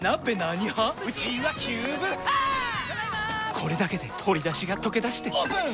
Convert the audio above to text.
これだけで鶏だしがとけだしてオープン！